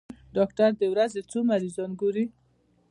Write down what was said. ډاکټر د ورځې څو مريضان ګوري؟